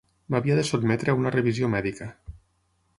M'havia de sotmetre a una revisió mèdica